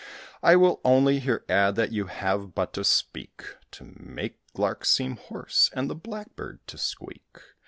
I will only here add that you have but to speak, To make larks seem hoarse, and the blackbird to squeak.'